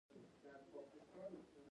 تاو راتاو به سو.